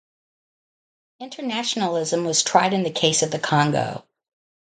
Internationalism was tried in the case of the Congo.